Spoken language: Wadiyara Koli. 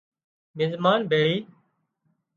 مزمان ڀيۯي